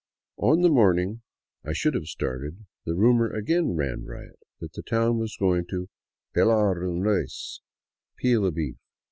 On the morning I should have started, the rumor again ran riot that the town was going to pelar un res — "peel a beef."